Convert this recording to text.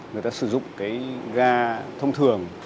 người ta sử dụng cái ga thông thường